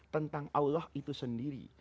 tentang allah itu sendiri